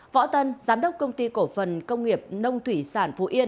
võ tân giám đốc công ty cổ phần công nghiệp nông thủy sản phú yên